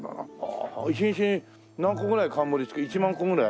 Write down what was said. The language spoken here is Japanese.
１日に何個ぐらい冠つけ１万個ぐらい？